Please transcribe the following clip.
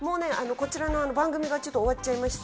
こちらの番組が終わっちゃいまして。